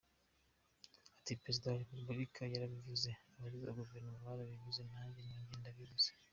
Ati” Perezida wa Repubulika yarabivuze, abagize Guverinoma barabivuze, nanjye nongeye kubivuga.